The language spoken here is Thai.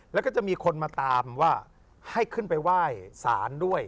แล้วก็จะมีคนมาตามว่าให้ขึ้นไปไหว้สารด้วย